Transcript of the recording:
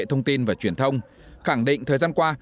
thông tin và truyền thông khẳng định thời gian qua